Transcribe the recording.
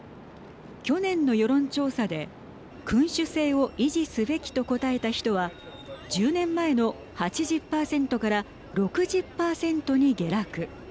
去年の世論調査で君主制を維持すべきと答えた人は１０年前の８０％から６０％に下落。